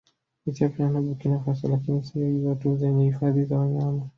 Ethiopia na Burkinafaso lakini siyo hizo tu zenye hifadhi za wanyama